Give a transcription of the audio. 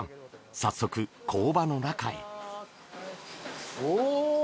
早速、工場の中へ。